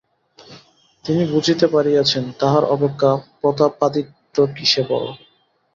তিনি বুঝিতে পারিয়াছেন তাঁহার অপেক্ষা প্রতাপাদিত্য কিসে বড়!